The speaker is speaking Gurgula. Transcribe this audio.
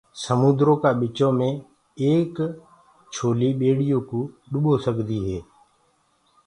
سموندرو ڪآ وچو مي ايڪ لهر بي ٻيڙي ڏُٻو سڪدي هي۔